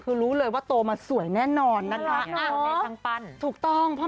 คือรู้เลยว่าโตมาสวยแน่นอนนะคะ